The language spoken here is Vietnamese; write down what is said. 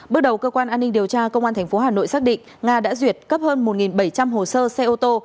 bước đầu cơ quan an ninh điều tra công an tp hà nội xác định nga đã duyệt cấp hơn một bảy trăm linh hồ sơ xe ô tô